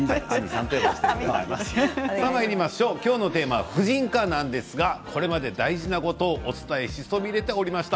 今日のテーマは婦人科なんですがこれまで大事なことをお伝えしそびれていました。